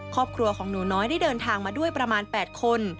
ครอบครัวของหนูน้อยได้เดินทางมาด้วยประมาณ๘คน